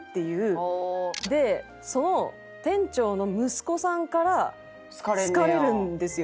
でその店長の息子さんから好かれるんですよ。